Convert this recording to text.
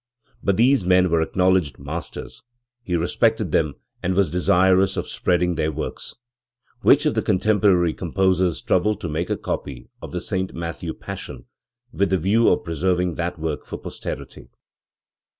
But these men were acknowledged masters: he respected them and was desirous of spreading their works. Which of the contemporary composers His Economy and HospitaHt\ T . 157 troubled to make a copy of the St, Matthew Passion, with the view of preserving that work for posterity?